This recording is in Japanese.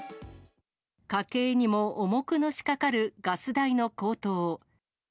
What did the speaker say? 家計にも重くのしかかるガス代の高騰。